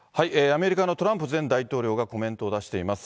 アメリカのトランプ前大統領がコメントを出しています。